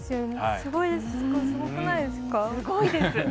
すごいです！